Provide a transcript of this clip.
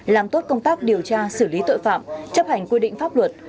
làm tốt công tác điều tra xử lý tội phạm chấp hành quy định pháp luật